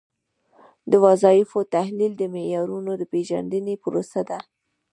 د وظیفې تحلیل د معیارونو د پیژندنې پروسه ده.